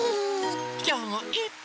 きょうもいっぱい。